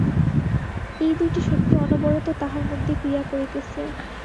এই দুইটি শক্তি অনবরত তাহার মধ্যে ক্রিয়া করিতেছে।